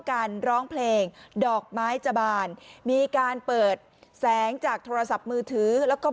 การร้องเพลงดอกไม้จะบานมีการเปิดแสงจากโทรศัพท์มือถือแล้วก็